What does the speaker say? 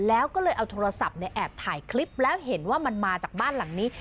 แล้วก็เลยเอาโทรศัพท์แอบถ่ายคลิปแล้วเห็นว่ามันมาจากบ้านหลังนี้